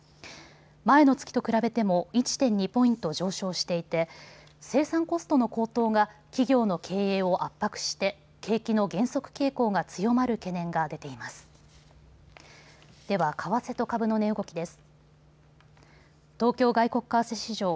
前の月と比べても１．２ポイント上昇していて生産コストの高騰が企業の経営を圧迫して景気の減速傾向が強まる懸念が出ています。